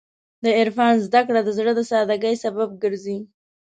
د عرفان زدهکړه د زړه د سادګۍ سبب ګرځي.